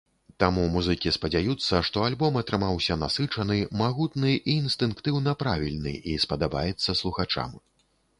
Таму музыкі спадзяюцца, што альбом атрымаўся насычаны, магутны і інстынктыўна правільны і спадабаецца слухачам.